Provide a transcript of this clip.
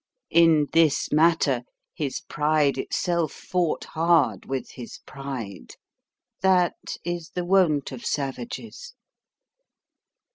In this matter, his pride itself fought hard with his pride. That is the wont of savages.